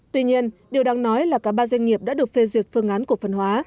tuy nhiên điều đáng nói là cả ba doanh nghiệp đã được phê duyệt phương án cổ phần hóa